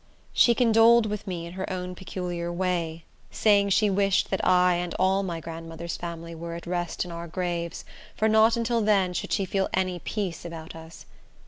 She condoled with me in her own peculiar way; saying she wished that I and all my grandmother's family were at rest in our graves, for not until then should she feel any peace about us.